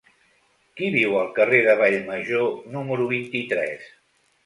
Qui viu al carrer de Vallmajor número vint-i-tres?